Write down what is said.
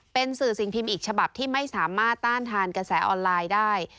เป็นสื่อสิ่งพิมพ์อีกฉบับที่ไม่สามารถต้านทานกระแสออนไลน์ได้